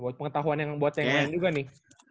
buat pengetahuan yang buat yang lain juga nih